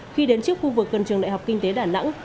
khi đến trước khu vực gần trường đại học kinh tế đà nẵng